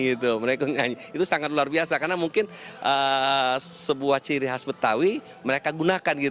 itu sangat luar biasa karena mungkin sebuah ciri khas betawi mereka gunakan